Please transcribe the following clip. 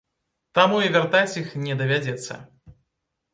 Таму і вяртаць іх не давядзецца.